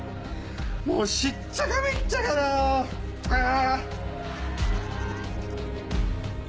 もうしっちゃかめっちゃかだよあぁ。